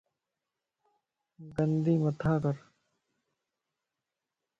گندي مٿان ڪر